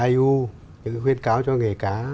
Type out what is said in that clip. iu những khuyến cáo cho nghề cá